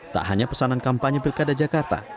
tak hanya pesanan kampanye pilkada jakarta